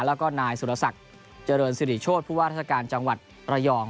แล้วก็นายสุรศักดิ์เจริญสิริโชธผู้ว่าราชการจังหวัดระยอง